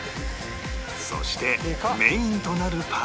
そしてメインとなるパーツが